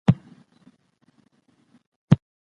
هره کیسه یو ځانګړی پیغام لري.